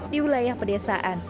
di wilayah pedesaan